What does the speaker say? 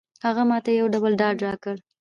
هغه ماته یو ډول ډاډ راکړ.